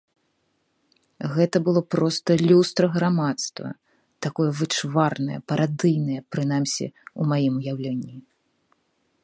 Гэта было проста люстра грамадства, такое вычварнае, парадыйнае, прынамсі, у маім уяўленні.